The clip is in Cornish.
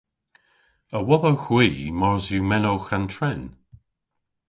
A wodhowgh hwi mars yw menowgh an tren?